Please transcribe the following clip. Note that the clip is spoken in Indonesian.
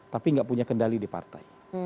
tapi nggak punya kendali di partai